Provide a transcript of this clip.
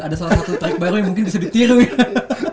ada salah satu trik baru yang mungkin bisa ditiru ya